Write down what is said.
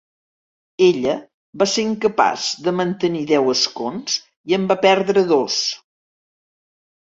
Ella va ser incapaç de mantenir deu escons i en va perdre dos.